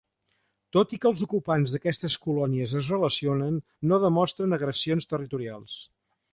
Tot i que els ocupants d'aquestes colònies es relacionen, no demostren agressions territorials.